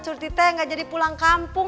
surti enggak jadi pulang kampung